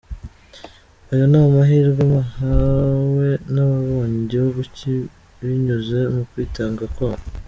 Ayo ni amahirwe mwahawe n’ababohoye igihugu binyuze mu kwitanga kwabo.